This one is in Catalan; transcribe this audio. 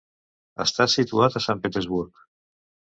Està situat a Sant Petersburg.